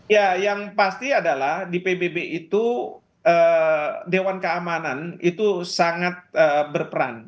ya yang pasti adalah di pbb itu dewan keamanan itu sangat berperan